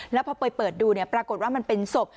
แล้วพอไปเปิดดูปรากฏว่ามันเป็นศพ